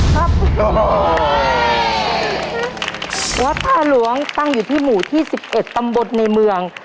ครับวัดท่าหลวงตั้งอยู่ที่หมู่ที่สิบเอ็ดตำบดในเมือง